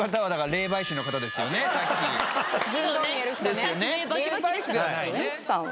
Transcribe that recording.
霊媒師ではないね